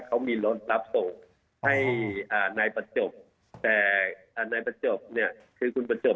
คนที่๔อยู่สุทธิพย์คนที่๔อยู่สุทธิพย์